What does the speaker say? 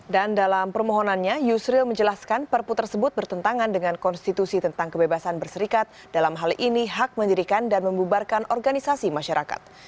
dan dalam permohonannya yusril menjelaskan perput tersebut bertentangan dengan konstitusi tentang kebebasan berserikat dalam hal ini hak menjadikan dan membubarkan organisasi masyarakat